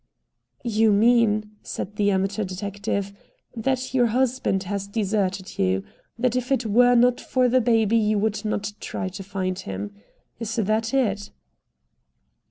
"You mean," said the amateur detective, "that your husband has deserted you. That if it were not for the baby you would not try to find him. Is that it?"